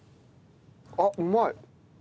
あっうまい。